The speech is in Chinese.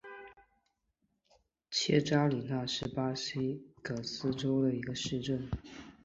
切扎里娜是巴西戈亚斯州的一个市镇。